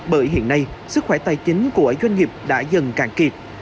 bởi hiện nay sức khỏe tài chính của doanh nghiệp đã dần càng kịp